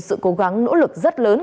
sự cố gắng nỗ lực rất lớn